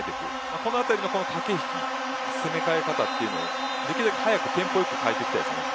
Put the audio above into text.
このあたりの駆け引き攻め変え方をできるだけ早くテンポよく変えていきたいです。